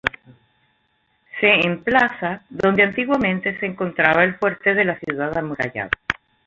Se emplaza donde antiguamente se encontraba el Fuerte de la ciudad amurallada.